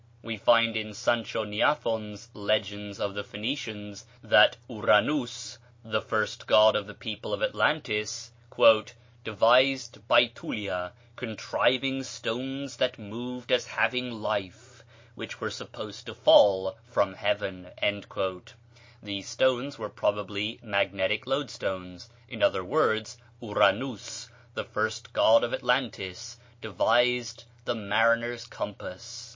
We find in Sanchoniathon's "Legends of the Phoenicians" that Ouranus, the first god of the people of Atlantis, "devised Bætulia, contriving stones that moved as having life, which were supposed to fall from heaven." These stones were probably magnetic loadstones; in other words, Ouranus, the first god of Atlantis, devised the mariner's compass.